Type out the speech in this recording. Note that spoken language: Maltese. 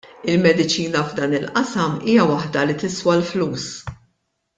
Il-mediċina f'dan il-qasam hija waħda li tiswa l-flus.